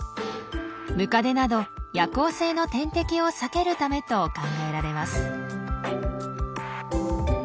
ムカデなど夜行性の天敵を避けるためと考えられます。